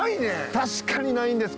確かにないんです